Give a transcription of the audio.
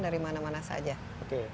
dari mana mana saja